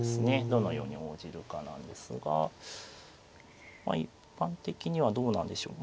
どのように応じるかなんですが一般的にはどうなんでしょう。